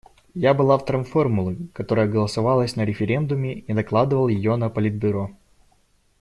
Я был автором формулы, которая голосовалась на референдуме и докладывал её на Политбюро.